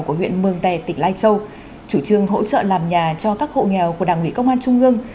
của huyện mường tè tỉnh lai châu chủ trương hỗ trợ làm nhà cho các hộ nghèo của đảng ủy công an trung ương